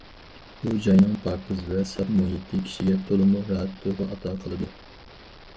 بۇ جاينىڭ پاكىز ۋە ساپ مۇھىتى كىشىگە تولىمۇ راھەت تۇيغۇ ئاتا قىلىدۇ.